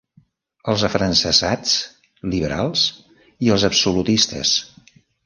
Els afrancesats, liberals, i els absolutistes.